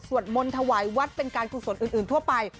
มนต์ถวายวัดเป็นการกุศลอื่นทั่วไป